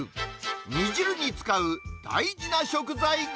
煮汁に使う大事な食材が。